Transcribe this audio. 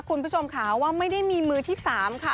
คุณผู้ชมค่ะว่าไม่ได้มีมือที่๓ค่ะ